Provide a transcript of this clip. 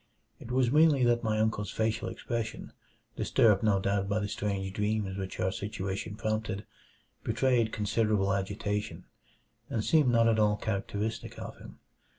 It was merely that my uncle's facial expression, disturbed no doubt by the strange dreams which our situation prompted, betrayed considerable agitation, and seemed not at all characteristic of him.